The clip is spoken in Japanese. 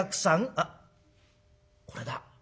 あっこれだ。